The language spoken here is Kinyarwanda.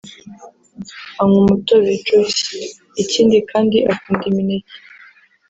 anywa umutobe (Juice) ikindi kandi akunda imineke